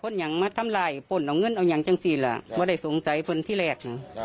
นั่มารู้แล้วเป็นอย่างไรไหม